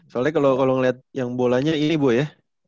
soalnya kalau ngeliat yang bolanya ini bu ya